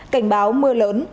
cảnh báo mưa lớn